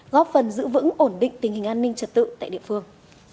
góp phần giữ vững ổn định tình hình an ninh trật tự tại địa phương